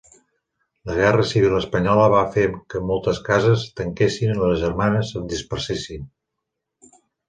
La Guerra Civil espanyola va fer que moltes cases tanquessin i les germanes se'n dispersessin.